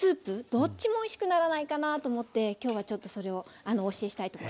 どっちもおいしくならないかなと思って今日はちょっとそれをお教えしたいと思います。